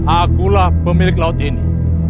akulah pemilik laut ini